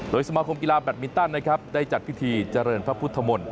โดยสมาคมกีฬาแบทมินตันได้จัดพิธีเจริญพระพุทธมล